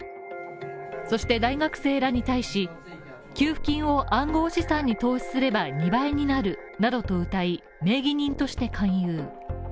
そして大学生らに対し給付金を暗号資産に投資すれば２倍になるなどとうたい名義人として勧誘。